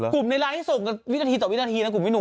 กลุ่มในไลน์ให้ส่งกันวินาทีต่อวินาทีนะกลุ่มวินุ่ม